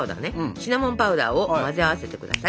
シナモンパウダーを混ぜ合わせてください。